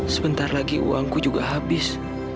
sebentar lagi uangku juga habis